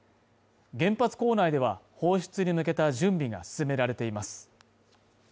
原発構内では放出に向けた準備が進められています